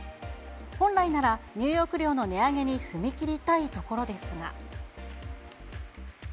本来なら、入浴料の値上げに踏み切りたいところですが。